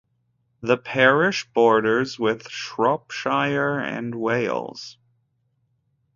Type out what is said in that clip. The parish borders with Shropshire and Wales.